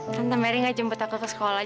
tante mary nggak jemput aku ke sekolah